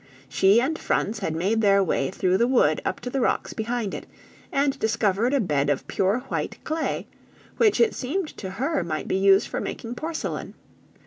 She and Franz had made their way through the wood up to the rocks behind it, and discovered a bed of pure white clay, which it seemed to her might be used for making porcelain.